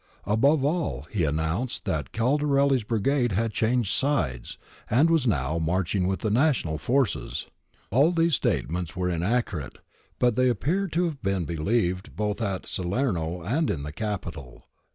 Above all, he announced that Caldarelli's brigade had changed sides and was now marching with the national forces. All these statements if I 4 THE ROYALISTS ABANDON SALERNO 163 were inaccurate, but they appear to have been beheved both at Salerno and in the capital.